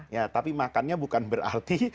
ya tapi makannya bukan berarti